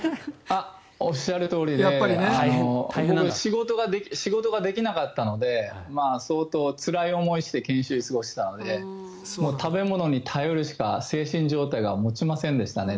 おっしゃるとおりで僕、仕事ができなかったので相当、つらい思いをして研修医を過ごしていたので食べ物に頼るしか精神状態が当時は持ちませんでしたね。